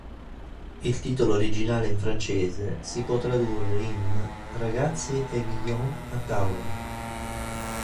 Il titolo originale in francese si può tradurre in "Ragazzi e Guillaume, a tavola!".